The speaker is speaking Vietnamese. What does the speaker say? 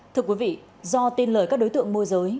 thưa quý vị do tin lời các đối tượng môi giới